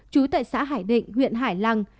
trú tại xã hải định huyện hải lăng